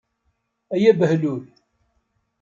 Ay abehlul!